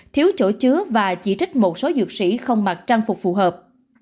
thiếu chỗ chứa và chỉ trích một số dược sĩ không mặc trang phục phù hợp